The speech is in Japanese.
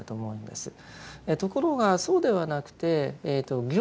ところがそうではなくて「行」